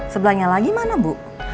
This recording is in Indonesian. sebelahnya lagi mana bu